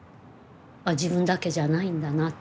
あ自分だけじゃないんだなって。